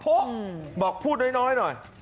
บอกพูดน้อยหน่อย